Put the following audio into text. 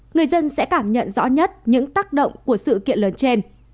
người dân sẽ cảm nhận rõ nhất những tác động của sự kiện lớn trên